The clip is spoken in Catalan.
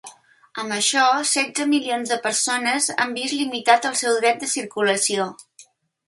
Amb això setze milions de persones han vist limitat el seu dret de circulació.